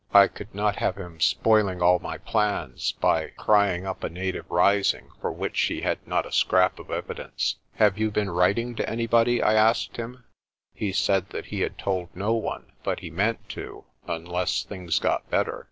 I could not have him spoiling all my plans by crying up a native rising for which he had not a scrap of evidence. "Have you been writing to anybody?' 1 I asked him. He said that he had told no one, but he meant to, unless things got better.